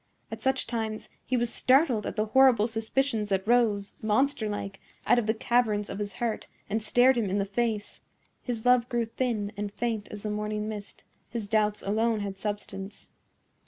At such times he was startled at the horrible suspicions that rose, monster like, out of the caverns of his heart and stared him in the face; his love grew thin and faint as the morning mist, his doubts alone had substance.